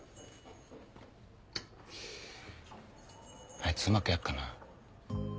あいつうまくやっかな？